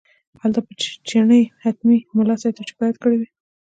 هلته به چڼي حتمي ملا صاحب ته شکایت کړی وي.